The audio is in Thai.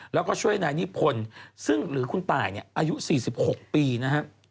แล้วก็ช่วยนายนิพลซึ่งหรือคุณต่ายอายุ๔๖ปีนะฮะ